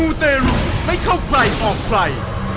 มูเตรุให้เข้าใกล้ออกไฟ